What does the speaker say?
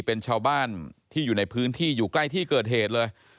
เป็นชาวบ้านที่อยู่ในพื้นที่อยู่ใกล้ที่เกิดเหตุเลย